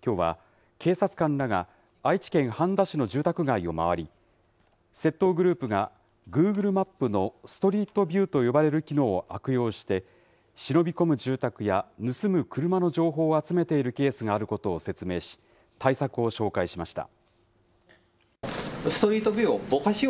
きょうは、警察官らが愛知県半田市の住宅街を回り、窃盗グループが、グーグルマップのストリートビューと呼ばれる機能を悪用して、忍び込む住宅や、盗む車の情報を集めているケースがあることを説明し対策を紹介しました。